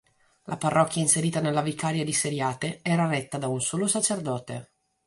La parrocchia inserita nella vicaria di Seriate era retta da un solo sacerdote.